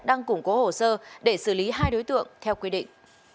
đang củng cố hồ sơ để xử lý hai đối tượng theo quy định